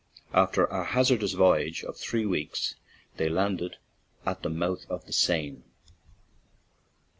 After a hazardous voyage of three weeks, they landed at the mouth of the Seine.